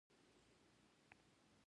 د درواز هوا ډیره سړه ده